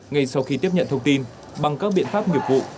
ngay sau khi tiếp nhận thông tin bằng các biện pháp nghiệp vụ